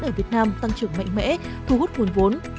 ở việt nam tăng trưởng mạnh mẽ thu hút nguồn vốn